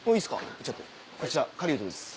行っちゃってこちら狩人です。